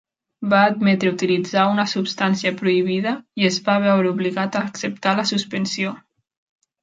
Va admetre utilitzar una substància prohibida i es va veure obligat a acceptar la suspensió.